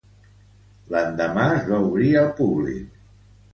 L'endemà, es va obrir al públic.